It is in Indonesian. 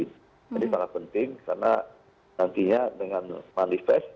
sangat penting karena nantinya dengan manifest